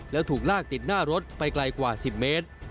แล้วถูกลากติดหน้ารถไปไกลกว่า๑๐เมตร